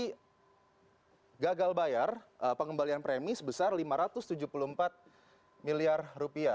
dan gagal bayar pengembalian premi sebesar lima ratus tujuh puluh empat miliar rupiah